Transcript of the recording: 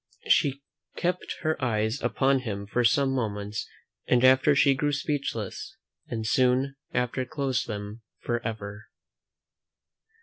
She kept her eyes upon him for some moments after she grew speechless, and soon after closed them for ever.